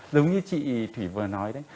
giống như chị thủy vừa nói đấy